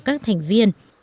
các thành viên